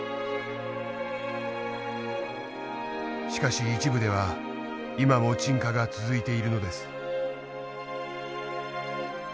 しかし一部では今も沈下が続いているのです。